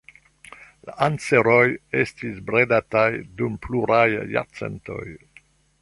La anseroj estis bredataj dum pluraj jarcentoj.